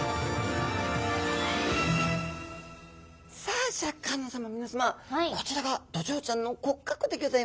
さあシャーク香音さま皆さまこちらがドジョウちゃんの骨格でギョざいますね。